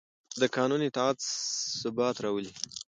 د قانون اطاعت ثبات راولي